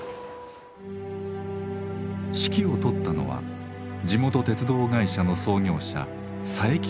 指揮を執ったのは地元鉄道会社の創業者佐伯宗義。